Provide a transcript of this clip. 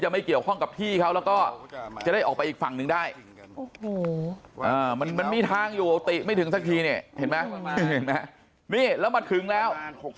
โหอ่อมันมันมีทางอยู่เอาติ้งไม่ถึงสักทีเนี้ยเห็นมะเห็นมะนี่แล้วมาถึงแล้ว